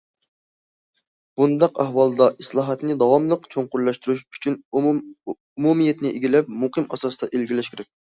بۇنداق ئەھۋالدا، ئىسلاھاتنى داۋاملىق چوڭقۇرلاشتۇرۇش ئۈچۈن ئومۇمىيەتنى ئىگىلەپ، مۇقىم ئاساستا ئىلگىرىلەش كېرەك.